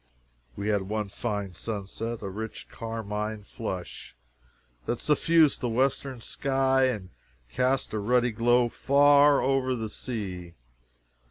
We had one fine sunset a rich carmine flush that suffused the western sky and cast a ruddy glow far over the sea.